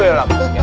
lama juga ya